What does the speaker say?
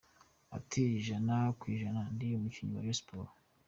Ati “Ijana ku ijana ndi umukinnyi wa Rayon Sports.